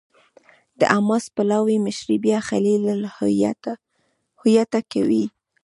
د حماس پلاوي مشري بیا خلیل الحية کوي.